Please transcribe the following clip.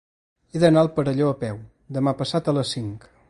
He d'anar al Perelló a peu demà passat a les cinc.